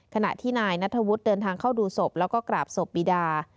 ขณะที่นายนัทธวุฒิเดินทางเข้าดูศพแล้วก็กราบศพบีดา